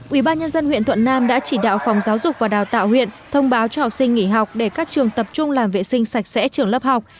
ủy ban nhân dân huyện thuận nam đã chỉ đạo phòng giáo dục và đào tạo huyện thông báo cho học sinh nghỉ học để các trường tập trung làm vệ sinh sạch sẽ trường lớp học